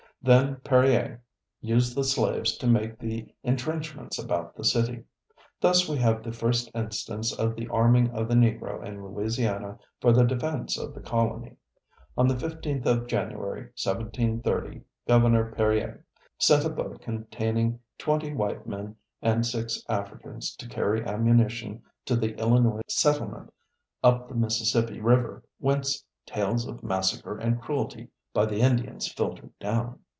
Then Perier used the slaves to make the entrenchments about the city. Thus we have the first instance of the arming of the Negro in Louisiana for the defense of the colony. On the 15th of January, 1730, Gov. Perier sent a boat containing twenty white men and six Africans to carry ammunition to the Illinois settlement up the Mississippi river whence tales of massacre and cruelty by the Indians filtered down.